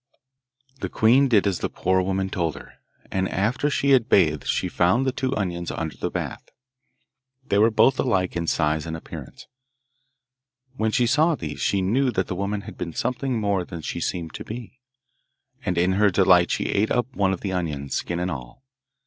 The queen did as the poor woman told her; and after she had bathed she found the two onions under the bath. They were both alike in size and appearance. When she saw these she knew that the woman had been something more than she seemed to be, and in her delight she ate up one of the onions, skin and all.